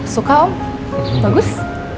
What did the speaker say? suka om bagus